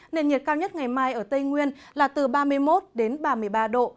nền nhiệt cao nhất ngày mai ở tây nguyên là từ ba mươi một đến ba mươi ba độ